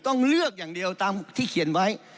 ต้องเลือกอย่างเดียวตามที่เขียนไว้